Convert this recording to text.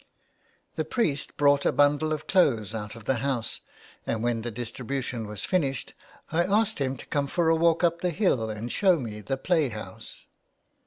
The priest brought a bundle of clothes out of the house, and when the distribution was finished, I asked him to come for a walk up the hill and show me the play house.